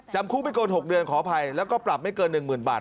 จำคู่มีโกน๖เดือนขออภัยแล้วก็ปรับไม่เกิน๑หมื่นบาท